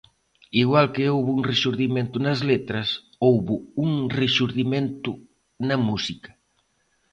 Igual que houbo un rexurdimento nas letras, houbo un rexurdimento na música.